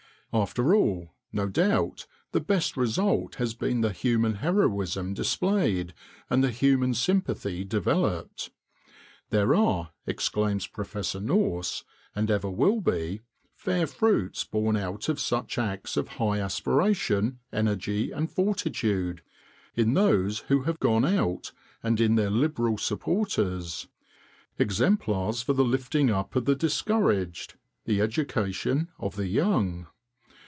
After all, no doubt, the best result has been the human heroism displayed, and the human sympathy developed. "There are," exclaims Professor Nourse, "and ever will be, fair fruits born out of such acts of high aspiration, energy, and fortitude, in those who have gone out, and in their liberal supporters; exemplars for the lifting up of the discouraged, the education of the young.